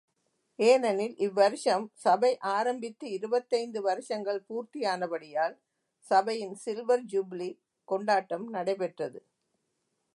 ஏனெனில், இவ்வருஷம் சபை ஆரம்பித்து இருபத்தைந்து வருஷங்கள் பூர்த்தியானபடியால், சபையின் சில்வர் ஜூபிலி கொண்டாட்டம் நடைபெற்றது.